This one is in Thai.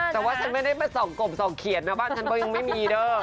แต่ว่าฉันไม่ได้มาส่องกบส่องเขียนนะบ้านฉันก็ยังไม่มีเด้อ